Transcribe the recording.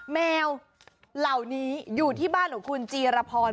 แมวเหล่านี้อยู่ที่บ้านของคุณจีรพร